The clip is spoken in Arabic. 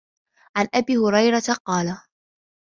عَنْ أَبِي هُرَيْرَةَ قَالَ